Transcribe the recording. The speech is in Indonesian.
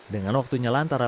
dengan waktunya lantara